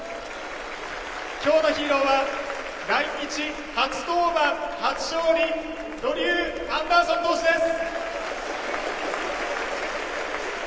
きょうのヒーローは来日初登板、初勝利ドリュー・アンダーソン投手です。